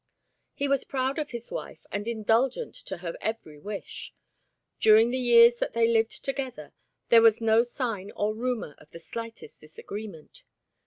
He was proud of his wife and indulgent to her every wish. During the years that they lived together, there was no sign or rumor of the slightest disagreement.